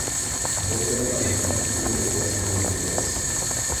Dovolte mi, abych hned v úvodu objasnil jednu věc.